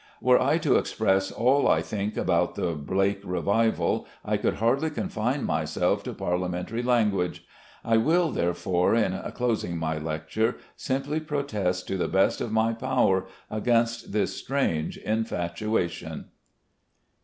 Were I to express all I think about the Blake revival, I could hardly confine myself to parliamentary language. I will, therefore, in closing my lecture, simply protest to the best of my power against this strange infatuation.